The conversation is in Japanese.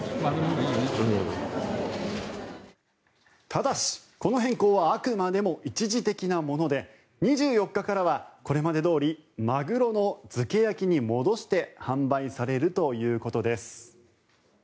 ただし、この変更はあくまでも一時的なもので２４日からは、これまでどおりマグロの漬け焼きに戻して販売されるということです。